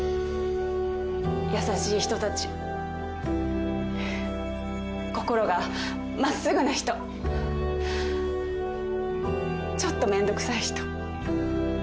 優しい人たち心が真っすぐな人ちょっとめんどくさい人。